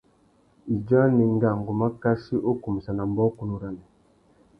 Idjô anénga, ngu mà kachi u kumsana mbōkunú râmê.